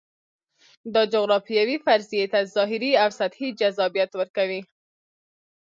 دا جغرافیوي فرضیې ته ظاهري او سطحي جذابیت ورکوي.